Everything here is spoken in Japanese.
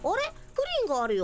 プリンがあるよ。